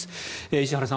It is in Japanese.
石原さん